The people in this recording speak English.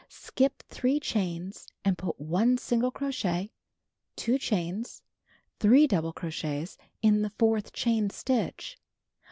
Skip 3 chains and put 1 single crochet, 2 chains, 3 double crochets, in the fourth chain stitch.